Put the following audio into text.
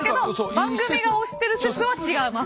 番組が推してる説は違います。